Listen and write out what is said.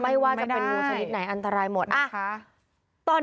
ไม่ว่าจะเป็นมูลชนิดไหนอันตรายหมดนะครับไม่ว่าจะเป็นมูลชนิดไหนอันตรายหมด